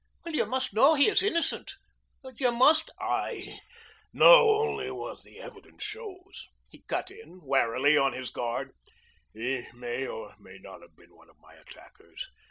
"You must know he is innocent. You must " "I know only what the evidence shows," he cut in, warily on his guard. "He may or may not have been one of my attackers.